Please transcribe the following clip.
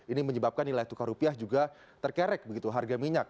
ini menyebabkan nilai tukar rupiah juga terkerek begitu harga minyak